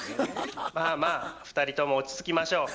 まあまあ２人とも落ち着きましょう。